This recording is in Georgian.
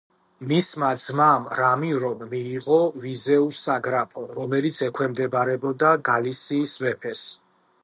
მისმა ძმამ რამირომ მიიღო ვიზეუს საგრაფო, რომელიც ექვემდებარებოდა გალისიის მეფეს.